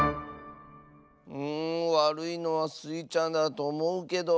うんわるいのはスイちゃんだとおもうけど。